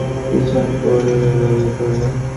পীড়ন করলে বেরিয়ে পড়বে।